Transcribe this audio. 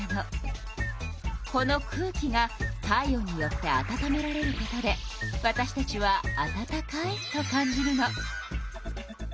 この空気が体温によって暖められることでわたしたちは「暖かい」と感じるの。